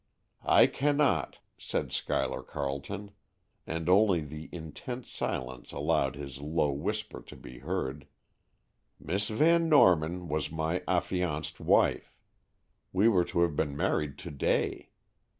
"I cannot," said Schuyler Carleton, and only the intense silence allowed his low whisper to be heard. "Miss Van Norman was my affianced wife. We were to have been married to day.